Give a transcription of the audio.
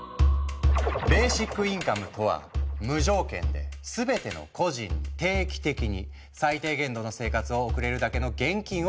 ベーシックインカムとは無条件で全ての個人に定期的に最低限度の生活を送れるだけの現金を給付する制度のこと。